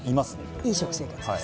いい食生活です。